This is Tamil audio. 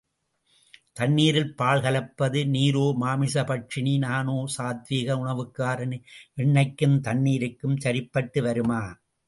தண்ணீரில் பால் கலப்பது நீரோ மாமிச பட்சணி, நானோ சாத்வீக உணவுக்காரன், எண்ணெய்க்கும் தண்ணீருக்கும் சரிபட்டு வருமா?